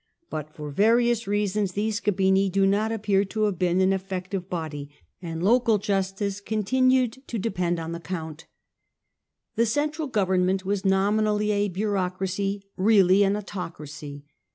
But for various reasons these scabini do not appear to have been an effective body, and local justice continued to depend on the count. Central The central government was nominally a bureaucracy, ment really an autocracy.